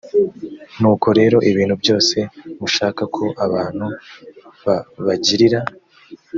nuko rero ibintu byose mushaka ko abantu babagirira